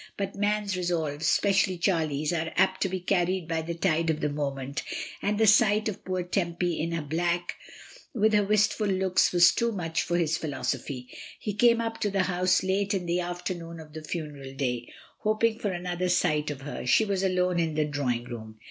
But man's resolves, especially Charlie's, are apt to be carried by the tide of the moment, and the sight of poor Tempy in her black with her wistful looks was too much for his philosophy. He came up to the house late in the afternoon of the funeral day, hoping for an other sight of her. She was alone in the drawing room.